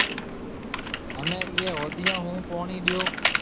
همَي اِيئي هوديون هون پوڻِي ڏيو۔